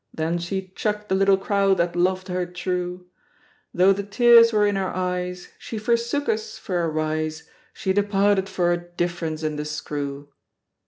Then she chucked the little crowd that loved her tme; Though the tears were in our eyes. She forsook us for a rise. She departed for a difference in the screw!''